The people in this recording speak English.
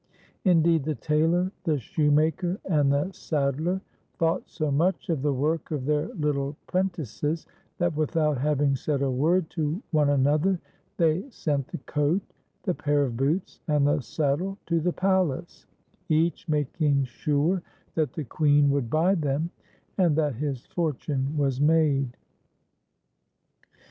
Indeed the tailor, the shoemaker, and the saddler thought so much of the work of their little prentices, that without having said a word to one another, they 1 28 TIPS Y 'S S/L I 'ER BELL, sent the coat, the pair of boots, and the saddle to the palace, each making sure that the Queen would buy them, and that his fortune was made.